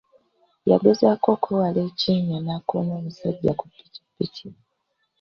Yagezaako okwewala ekinnya n'akoona omusajja ku pikipiki.